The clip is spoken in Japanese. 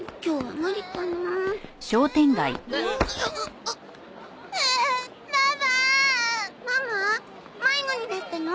迷子になったの？